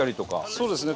そうですね